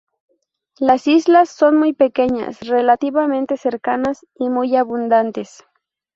Las islas son muy pequeñas, relativamente cercanas, y muy abundantes.